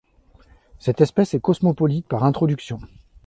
Cette espèce est cosmopolite par introductions.